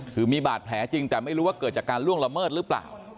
คือมีบาดแผลจริงแต่ไม่รู้ว่าเกิดจากการล่วงละเมิดหรือเปล่า